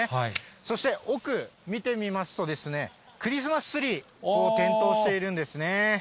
そして、奥見てみますとですね、クリスマスツリーも点灯しているんですね。